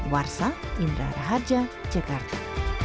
warsa indra raharja cekarta